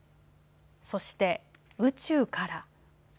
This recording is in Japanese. そして宇宙から。